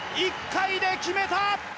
１回で決めた！